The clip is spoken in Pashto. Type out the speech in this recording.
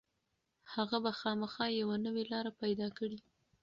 هغه به خامخا یوه نوې لاره پيدا کړي.